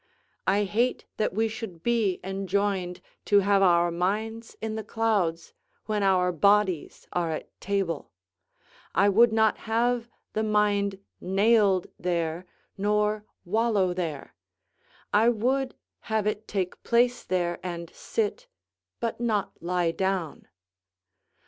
I hate that we should be enjoined to have our minds in the clouds, when our bodies are at table; I would not have the mind nailed there, nor wallow there; I would have it take place there and sit, but not lie down.